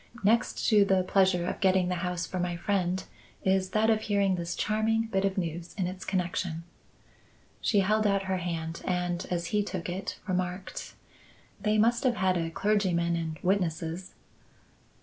Next to the pleasure of getting the house for my friend, is that of hearing this charming bit of news its connection." She held out her hand and, as he took it, remarked: "They must have had a clergyman and witnesses."